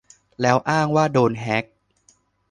แล้วอ้างว่าโดนแฮค